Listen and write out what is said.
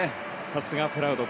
さすがプラウド。